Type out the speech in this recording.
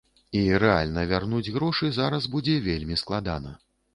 І рэальна вярнуць грошы зараз будзе вельмі складана.